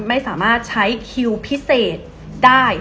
ไม่สามารถใช้คิวพิเศษได้